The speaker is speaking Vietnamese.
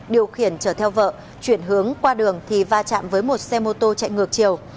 điều khiển chở theo vợ chuyển hướng qua đường thì va chạm với một xe mô tô chạy ngược chiều